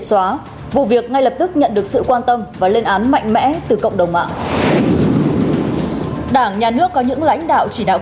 xin chào và hẹn gặp lại